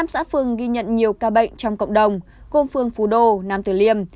năm xã phương ghi nhận nhiều ca bệnh trong cộng đồng gồm phương phú đô nam tử liêm